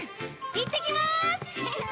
いってきます！